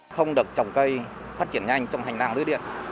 không được trồng cây phát triển nhanh trong hành lang lưới điện